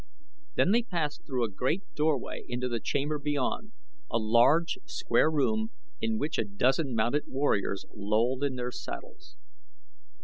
Then they passed through a great doorway into the chamber beyond, a large, square room in which a dozen mounted warriors lolled in their saddles.